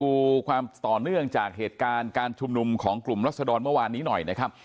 ดูความต่อเนื่องจากเหตุการณ์การชุมนุมของกลุ่มรัศดรเมื่อวานนี้หน่อยนะครับ